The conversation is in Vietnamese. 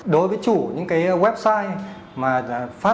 đối với chủ những cái website mà